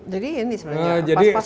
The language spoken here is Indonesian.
jadi ini sebenarnya pas pasan